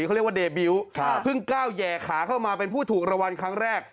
เขาเรียกว่าเดบิวต์เพิ่งก้าวแห่ขาเข้ามาเป็นผู้ถูกรางวัลครั้งแรก